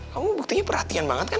kamu buktinya perhatian banget kan